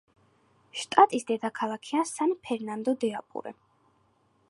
შტატის დედაქალაქია სან-ფერნანდო-დე-აპურე.